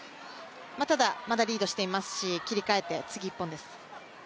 ただ、まだリードしていますし切り替えて次の一本です。